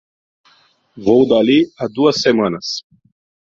Voltou dali a duas semanas